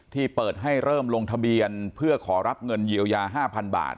ที่เปิดให้เริ่มลงทะเบียนเพื่อขอรับเงินเยียวยา๕๐๐๐บาท